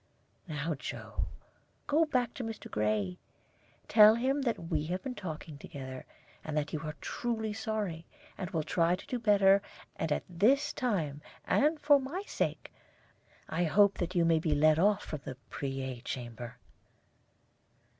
"Now, Joe, go back to Mr. Gray, tell him that we have been talking together, and that you are truly sorry, and will try to do better, and that this time, and for my sake, I hope that you may be let off from the Preay Chamber."